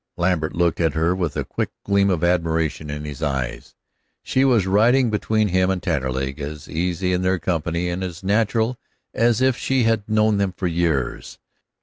Lambert looked at her with a quick gleam of admiration in his eyes. She was riding between him and Taterleg, as easy in their company, and as natural as if she had known them for years.